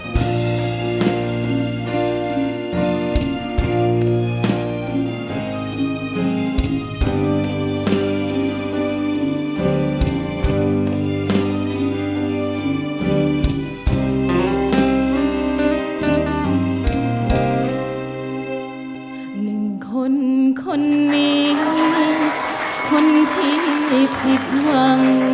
หนึ่งคนคนนี้คนที่ไม่ผิดหวัง